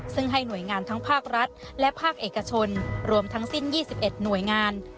ซึ่งให้หน่วยงานทั้งภาครัฐและภาคเอกชนรวมทั้งสิ้น๒๑หน่วยงาน